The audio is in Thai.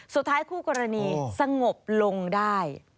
สุดท้ายคู่กรณีสงบลงได้